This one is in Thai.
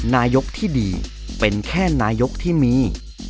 นายกที่ดีเป็นแค่นายกที่มี